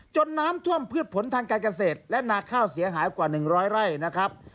น้ำท่วมพืชผลทางการเกษตรและนาข้าวเสียหายกว่า๑๐๐ไร่นะครับ